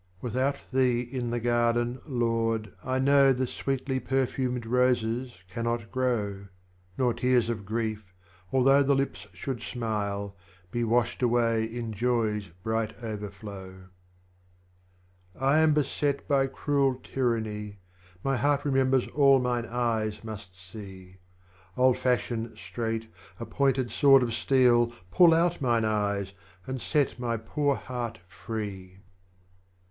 Without Thee in the Garden, Lord, I know The sweetly perfumed Roses cannot grow, Nor Tears of Grief, although the Lips should smile, Be washed away in Joy's bright overflow. 7. I am beset by cruel Tyranny, My heart remembers all mine Eyes must see, I'll fashion, straight, a pointed sword of steel. Tut out mine Eyes, and set my poor Heart free.